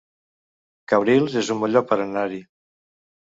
Cabrils es un bon lloc per anar-hi